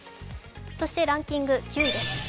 そしてランキング９位です。